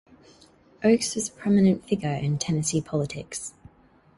Oakes was a prominent figure in Tennessee politics.